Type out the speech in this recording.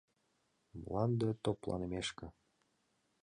Мланде топланымешке.